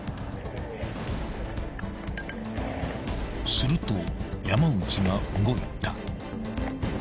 ［すると山内が動いた］